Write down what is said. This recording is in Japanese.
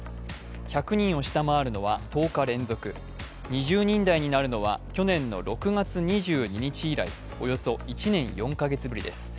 １００人を下回るのは１０日連続、２０人台になるのは去年の６月２１日以来およそ１年４カ月ぶりです。